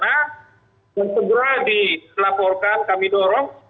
yang segera dilaporkan kami dorong